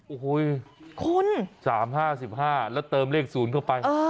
โอ้โฮคุณสามห้าสิบห้าแล้วเติมเลขศูนย์เพิ่มไปเออ